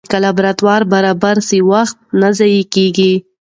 که لابراتوار برابر سي، وخت نه ضایع کېږي.